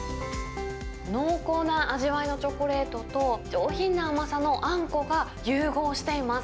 濃厚な味わいのチョコレートと、上品な甘さのあんこが融合しています。